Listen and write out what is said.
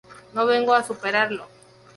No vengo a superarlo.